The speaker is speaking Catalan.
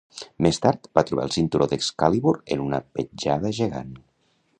Més tard, van trobar el cinturó d"Excalibur en una petjada gegant.